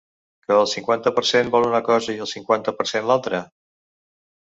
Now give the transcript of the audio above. Que el cinquanta per cent vol una cosa, i el cinquanta per cent l’altra?